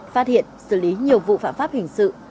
phát hiện xử lý nhiều vụ phạm pháp hình sự